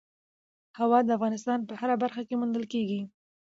هوا د افغانستان په هره برخه کې موندل کېږي.